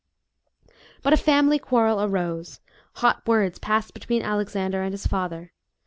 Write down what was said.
But a family quarrel arose ; hot words passed between Alexander and his father.